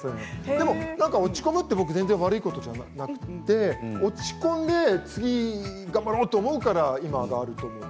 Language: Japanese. でも落ち込むのは全然悪いことじゃなくて落ち込んで次に頑張ろうと思うから今がある。